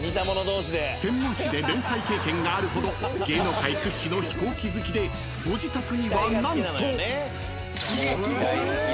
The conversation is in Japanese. ［専門誌で連載経験があるほど芸能界屈指の飛行機好きでご自宅には何と］